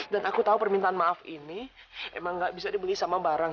dan aku tahu permintaan maaf ini emang gak bisa dibeli sama barang